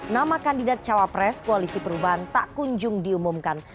nama kandidat cawa pres koalisi perubahan tak kunjung diumumkan